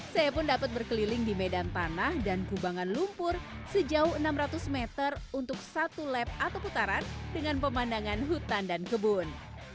saya pun dapat berkeliling di medan tanah dan kubangan lumpur sejauh enam ratus meter untuk satu lap atau putaran dengan pemandangan hutan dan kebun